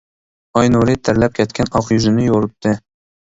ئاي نۇرى تەرلەپ كەتكەن ئاق يۈزىنى يورۇتتى.